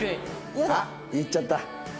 あっ言っちゃった。